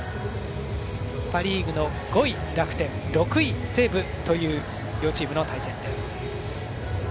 パ・リーグの５位、楽天６位、西武という両チームの対戦です。